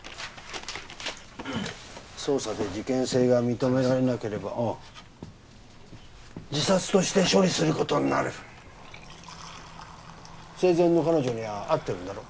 捜査で事件性が認められなければ代わりますおう自殺として処理することになる生前の彼女には会ってるんだろ？